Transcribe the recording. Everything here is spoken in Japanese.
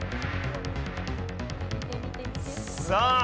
さあ